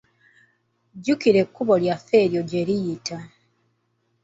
Jjukira ekkubo lyaffe eryo gye liyita.